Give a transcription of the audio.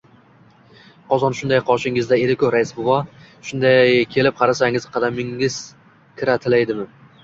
— Qozon shunday qoshingizda edi-ku, rais bova. Shunday kelib, qarasangiz... qadamingiz kira tilaydimi?